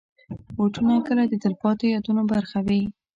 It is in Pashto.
بوټونه کله د تلپاتې یادونو برخه وي.